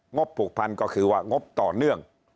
บผูกพันก็คือว่างบต่อเนื่อง